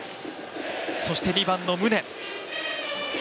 そして２番の宗。